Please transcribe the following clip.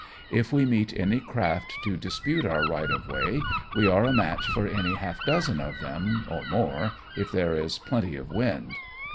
If we meet any craft to dispute our right of way, we are a match for any half dozen of them, or more, if. there is plenty of wind.